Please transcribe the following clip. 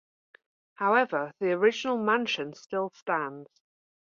However, the original mansion still stands.